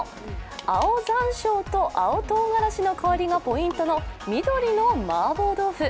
青ざんしょうと青とうがらしの香りがポイントの緑のマーボー豆腐。